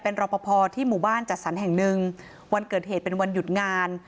รอปภที่หมู่บ้านจัดสรรแห่งหนึ่งวันเกิดเหตุเป็นวันหยุดงาน